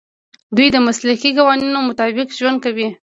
دوی د مسلکي قوانینو مطابق ژوند کوي.